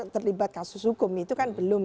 terlibat kasus hukum itu kan belum